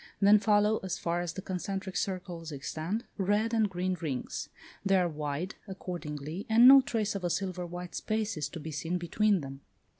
Then follow as far as the concentric circles extend, red and green rings. They are wide, accordingly, and no trace of a silver white space is to be seen between them.